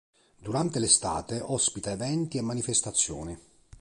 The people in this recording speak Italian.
Durante l'estate ospita eventi e manifestazioni.